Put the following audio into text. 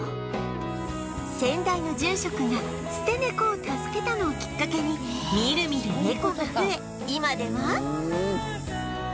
先代の住職が捨て猫を助けたのをきっかけにみるみる猫が増え今では